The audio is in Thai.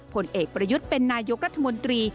ผลเอกประยุทธ์เป็นนายกรัฐมนตรี